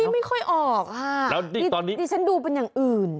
ไม่ค่อยออกค่ะแล้วนี่ตอนนี้ดิฉันดูเป็นอย่างอื่น